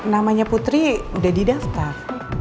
namanya putri sudah didaftar